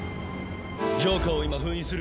ジョーカーを今封印する。